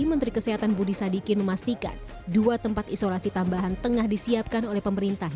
menteri kesehatan budi sadikin memastikan dua tempat isolasi tambahan tengah disiapkan oleh pemerintah